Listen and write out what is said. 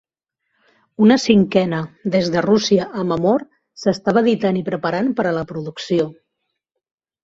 Una cinquena, "Des de Rússia amb amor", s'estava editant i preparant per a la producció.